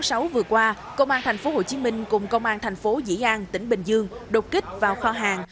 tháng sáu vừa qua công an thành phố hồ chí minh cùng công an thành phố dĩ an tỉnh bình dương đột kích vào kho hàng